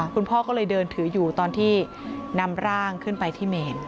คุณพ่อก็เลยเดินถืออยู่ตอนที่นำร่างขึ้นไปที่เมน